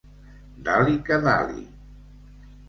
Da-li que da-li!